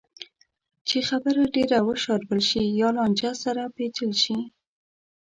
چې خبره ډېره وشاربل شي یا لانجه سره پېچل شي.